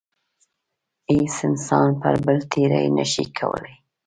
هیڅ انسان پر بل تېرۍ نشي کولای.